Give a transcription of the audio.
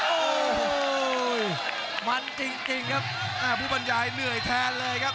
โอ้โหมันจริงจริงครับอ่าผู้บรรยายเหนื่อยแทนเลยครับ